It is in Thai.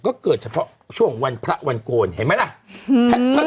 ก็เกิดเฉพาะช่วงวันพระวันโกนเห็นไหมล่ะ